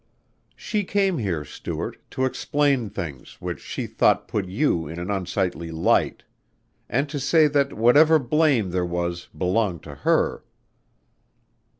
"She came here, Stuart, to explain things which she thought put you in an unsightly light and to say that whatever blame there was belonged to her."